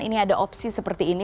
ini ada opsi seperti ini